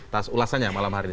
atas ulasannya malam hari ini